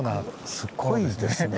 すごいですねこれ。